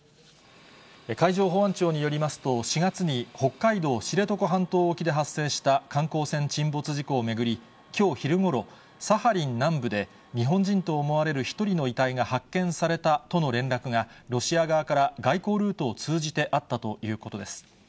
海上保安庁によりますと、４月に北海道知床半島沖で発生した観光船沈没事故を巡り、きょう昼ごろ、サハリン南部で日本人と思われる１人の遺体が発見されたとの連絡が、ロシア側から外交ルートを通じてあったということです。